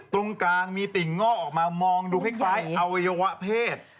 ตรงกลางมีติ่งงอกออกมามองดูคล้ายอวัยวะเพศ